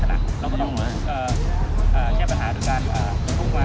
ที่ผมจัดรถแข่งมาเนี่ยผมก็เคยเห็นไปปิดถนามอยู่ทีเดียว